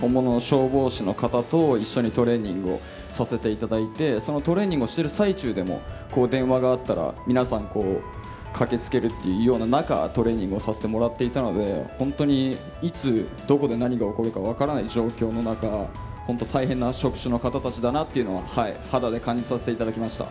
本物の消防士の方と一緒にトレーニングをさせていただいて、そのトレーニングをしている最中でも、電話があったら、皆さん、駆けつけるっていうような中、トレーニングをさせてもらっていたので、本当に、いつ、どこで何が起こるか分からない状況の中、本当、大変な職種の方たちだなっていうのは、肌で感じさせていただきました。